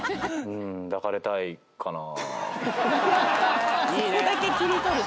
『うん。抱かれたいな』」